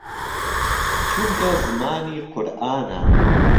چونکە زمانی قورئانە